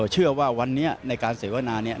เชื่อว่าวันนี้ในการเสวนาเนี่ย